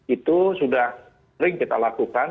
itu sudah sering kita lakukan